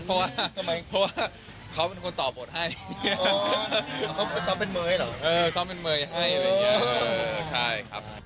เพราะเค้าเป็นคนต่อบทให้